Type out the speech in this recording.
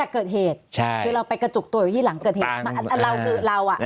เกิดเหตุใช่คือเราไปกระจุกตัวอยู่ที่หลังเกิดเหตุมาเราคือเราอ่ะ